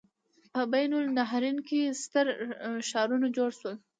په بین النهرین کې ستر ښارونه جوړ شول.